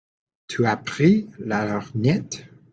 Tu as pris la lorgnette ?